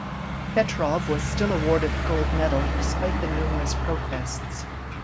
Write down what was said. Petrov was still awarded the gold medal despite the numerous protests.